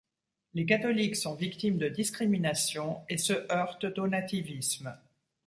Les catholiques sont victimes de discriminations et se heurtent au nativisme.